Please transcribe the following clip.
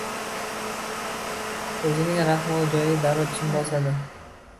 O‘zining raxna joyiga darrov chim bosadi.